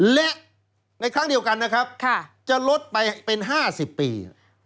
และในครั้งเดียวกันนะครับจะลดไปเป็น๕๐ปี